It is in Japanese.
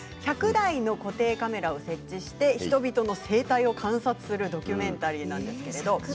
１００台の固定カメラを設置して、人々の生態を観察するドキュメンタリーです。